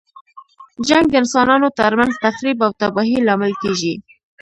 جنګ د انسانانو تر منځ تخریب او تباهۍ لامل کیږي.